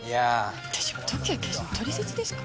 私は時矢刑事のトリセツですか。